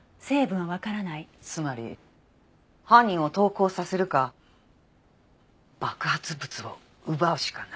つまり犯人を投降させるか爆発物を奪うしかない。